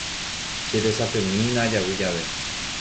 Cheresapemína ajavy jave.